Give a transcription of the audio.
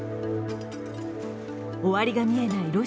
終わりが見えない